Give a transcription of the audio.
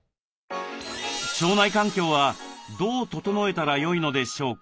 腸内環境はどう整えたらよいのでしょうか？